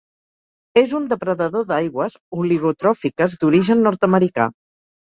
És un depredador d'aigües oligotròfiques d'origen nord-americà.